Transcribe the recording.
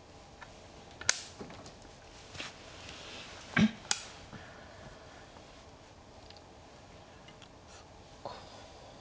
そっか。